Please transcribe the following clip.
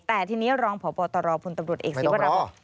แต่ทีนี้รองพปตรพตำรวจเอกสิทธิ์วรรดิไม่ต้องรอ